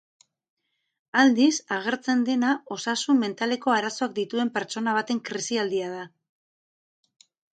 Aldiz, agertzen dena osasun mentaleko arazoak dituen pertsona baten krisialdia da.